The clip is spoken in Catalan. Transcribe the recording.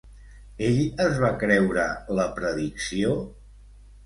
Ell es va creure la predicció?